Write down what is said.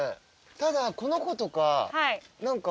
ただこの子とか何か。